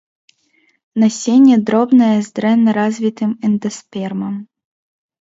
Насенне дробнае з дрэнна развітым эндаспермам.